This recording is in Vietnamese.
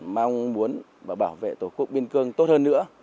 mong muốn và bảo vệ tổ quốc biên cương tốt hơn nữa